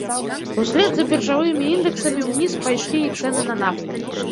Услед за біржавымі індэксамі ўніз пайшлі і цэны на нафту.